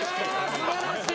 素晴らしい！